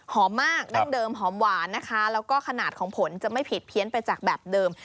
มากดั้งเดิมหอมหวานนะคะแล้วก็ขนาดของผลจะไม่ผิดเพี้ยนไปจากแบบเดิม